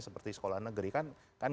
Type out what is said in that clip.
seperti sekolah negeri kan